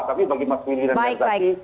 tapi bagi mas winir dan mas herzaki